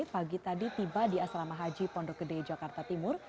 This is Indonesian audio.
pagi tadi tiba di asrama haji pondok gede jakarta timur